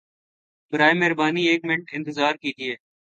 برائے مہربانی ایک منٹ انتظار کیجئیے!